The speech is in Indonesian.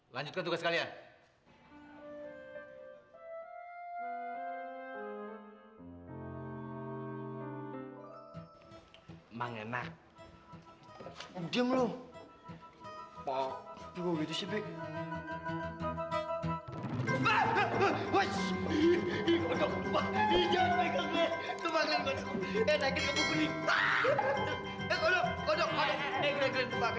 tenang tenang anak anak tenang